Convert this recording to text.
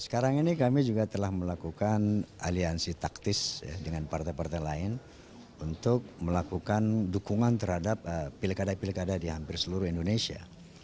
sekarang ini kami juga telah melakukan aliansi taktis dengan partai partai lain untuk melakukan dukungan terhadap pilkada pilkada di hampir seluruh indonesia